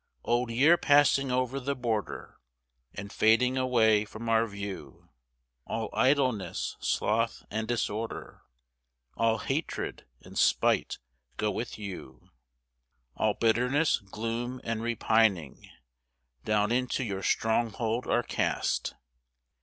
Old year passing over the border, And fading away from our view; All idleness, sloth, and disorder, All hatred and spite go with you. All bitterness, gloom, and repining Down into your stronghold are cast.